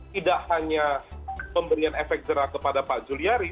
tidak hanya pemberian efek jerak kepada pak juliari